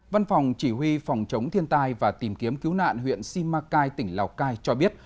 văn phòng chỉ huy phòng chống thiên tai và tìm kiếm cứu nạn huyện simacai tỉnh lào cai cho biết